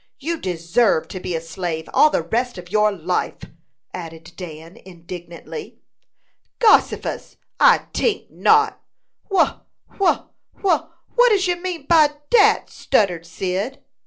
You deserve to be a slave all the rest of your life!" added Dan, indignantly. "Gossifus! I tink not. Wha wha wha what does you mean by dat?" stuttered Cyd.